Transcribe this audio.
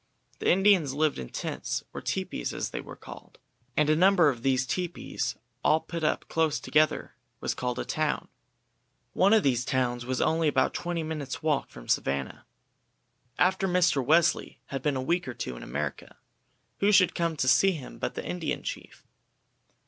The Indians lived in tents or tepees as they are called, and a number of these tepees all put up close together was called a town; one of these towns was only about twenty minutes' walk from Savannah. After Mr. Wesley had been a week or two in America, who should come to see him but the Indian chief.